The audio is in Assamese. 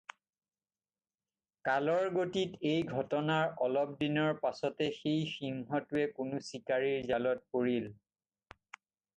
কালৰ গতিত এই ঘটনাৰ অলপ দিনৰ পাচতে সেই সিংহটোয়ে কোনাে চিকাৰীৰ জালত পৰিল।